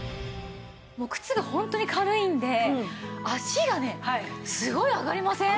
靴がホントに軽いんで足がねすごい上がりません？